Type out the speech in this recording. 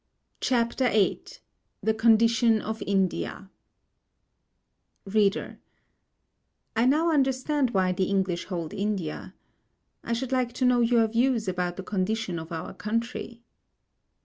CHAPTER VIII THE CONDITION OF INDIA READER: I now understand why the English hold India. I should like to know your views about the condition of our country.